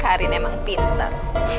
karin emang pinter